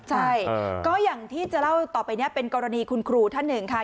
ใช่ก็อย่างที่จะเล่าต่อไปนี้เป็นกรณีคุณครูท่านหนึ่งค่ะ